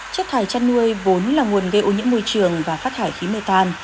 chất thải chăn nuôi vốn là nguồn gây ô nhiễm môi trường và phát thải khí mê tan